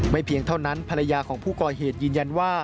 เพียงเท่านั้นภรรยาของผู้ก่อเหตุยืนยันว่า